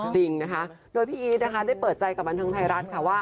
จริงนะคะโดยพี่อีทนะคะได้เปิดใจกับบันเทิงไทยรัฐค่ะว่า